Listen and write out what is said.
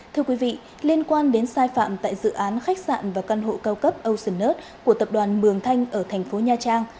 thưa quý vị liên quan đến sai phạm tại dự án khách sạn và căn hộ cao cấp ocean earth của tập đoàn mường thanh ở thành phố nha trang